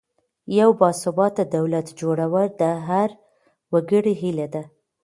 د یو باثباته دولت جوړول د هر وګړي هیله ده.